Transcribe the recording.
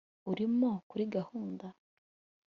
Urimo kuri gahunda